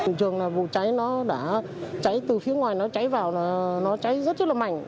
hình trường là vụ cháy nó đã cháy từ phía ngoài nó cháy vào nó cháy rất là mạnh